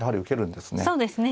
そうですね。